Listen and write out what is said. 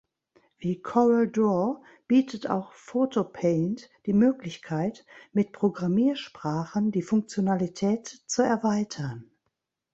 Wie Corel Draw bietet auch Photo-Paint die Möglichkeit, mit Programmiersprachen die Funktionalität zu erweitern.